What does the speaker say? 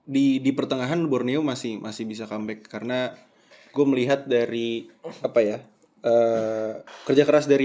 di pertengahan borneo masih masih bisa comeback karena gue melihat dari apa ya kerja keras dari